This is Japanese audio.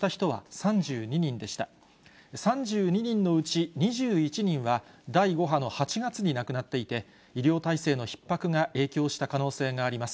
３２人のうち２１人は、第５波の８月に亡くなっていて、医療体制のひっ迫が影響した可能性があります。